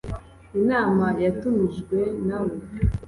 inama yatumijwe nawe.